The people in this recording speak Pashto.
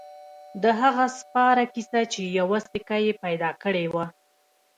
د هغه سپاره کیسه چې یوه سکه يې پیدا کړې وه.